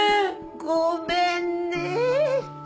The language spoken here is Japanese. ごめんねえ！